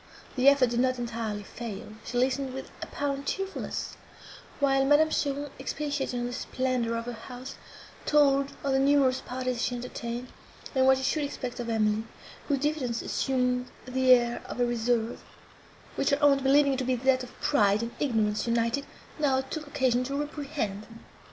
The effort did not entirely fail; she listened with apparent cheerfulness, while Madame Cheron expatiated on the splendour of her house, told of the numerous parties she entertained, and what she should expect of Emily, whose diffidence assumed the air of a reserve, which her aunt, believing it to be that of pride and ignorance united, now took occasion to reprehend.